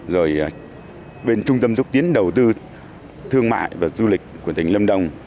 rồi bên trung tâm dục tiến đầu tư thương mại và du lịch của tỉnh lâm đông